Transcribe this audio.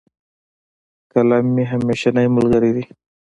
قلم مي همېشنی ملګری دی.